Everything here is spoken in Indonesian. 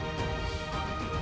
silat harimau pasaman